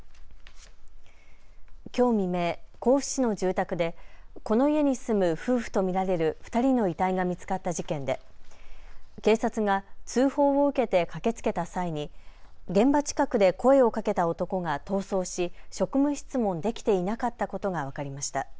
きょう未明、甲府市の住宅でこの家に住む夫婦と見られる２人の遺体が見つかった事件で警察が通報を受けて駆けつけた際に現場近くで声をかけた男が逃走し職務質問できていなかったことが分かりました。